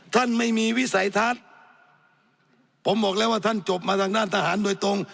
ท่านไม่มีวิสัยทัศน์ผมบอกแล้วว่าท่านจบมาทางด้านทหารโดยตรง